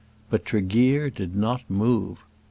But Tregear did not move.